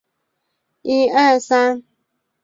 厚丰郑氏大厝的历史年代为清。